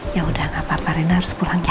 ya udah nggak apa apa rena harus pulang ya